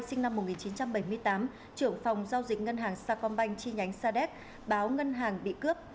sinh năm một nghìn chín trăm bảy mươi tám trưởng phòng giao dịch ngân hàng sa công banh chi nhánh sa đéc báo ngân hàng bị cướp